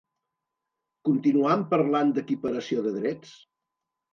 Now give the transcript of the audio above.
Continuam parlant d'equiparació de drets?